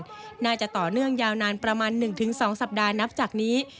น่าจะต่อเนื่องยาวนานประมาณ๑๒สัปดาห์นับจากนี้